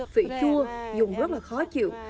vị chua dùng rất khó chịu